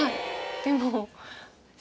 でも。